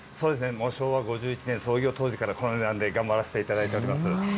もう昭和５１年創業当時からこの値段で頑張らせていただいています。